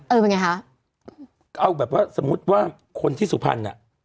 เป็นไงคะเอาแบบว่าสมมุติว่าคนที่สุพรรณอ่ะ